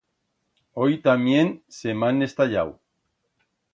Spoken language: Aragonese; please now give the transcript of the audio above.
Hoi tamién se m'han estallau.